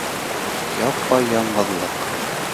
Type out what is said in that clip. Япа-яңғыҙлыҡ.